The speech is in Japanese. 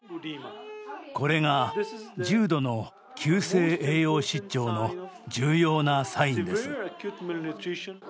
これが重度の急性栄養失調の重要なサインです。